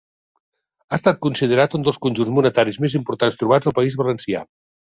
Ha estat considerat un dels conjunts monetaris més importants trobats al País Valencià.